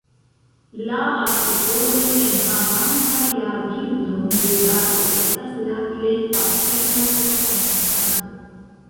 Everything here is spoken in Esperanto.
La artikoloj enhavantaj la bildon de baro estas la plej facilaj por komencantoj.